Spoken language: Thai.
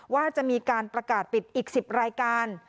ว่าจะมีการประกาศปิดอีก๑๐รายการ